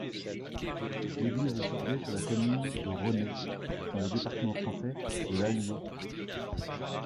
L'église est située sur la commune de Ronnet, dans le département français de l'Allier.